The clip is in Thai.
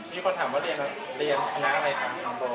มีคนถามเรียนคณะอะไรค่ะ